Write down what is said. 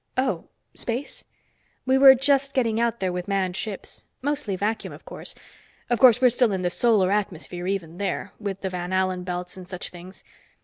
"Oh space. We were just getting out there with manned ships. Mostly vacuum, of course. Of course, we're still in the solar atmosphere, even there, with the Van Allen belts and such things.